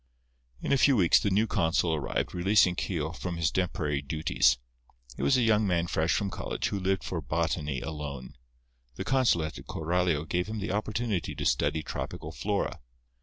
In a few weeks the new consul arrived, releasing Keogh from his temporary duties. He was a young man fresh from college, who lived for botany alone. The consulate at Coralio gave him the opportunity to study tropical flora.